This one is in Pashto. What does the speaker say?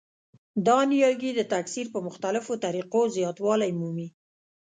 دا نیالګي د تکثیر په مختلفو طریقو زیاتوالی مومي.